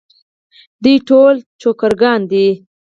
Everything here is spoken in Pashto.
دوی ټول چوکره ګان دي.